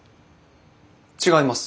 違います。